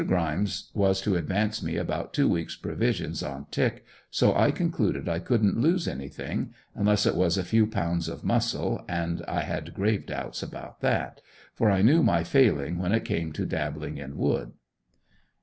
Grimes was to advance me about two weeks provisions on "tick," so I concluded I couldn't lose anything unless it was a few pounds of muscle and I had grave doubts about that, for I knew my failing when it came to dabbling in wood.